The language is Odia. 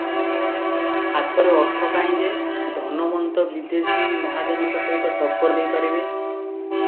ହାତରେ ଅର୍ଥ କାହିଁ ଯେ, ଧନବନ୍ତ ବିଦେଶୀ ମହାଜନଙ୍କ ସହିତ ଟକ୍କର ଦେଇ ପାରିବେ ।